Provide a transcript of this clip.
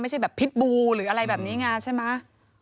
ไม่ใช่แบบพิษบูหรืออะไรแบบนี้ไงใช่ไหม